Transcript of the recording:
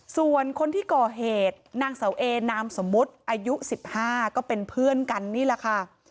ส่วนคนที่ก่อเหตุนางเสาเอนามสมมุติอายุ๑๕ก็เป็นเพื่อนกันนี่แหละค่ะ